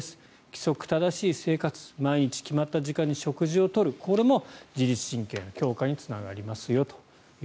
規則正しい生活毎日決まった時間に食事を取るこれも自律神経の強化になりますよと。